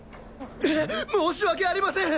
申し訳ありません！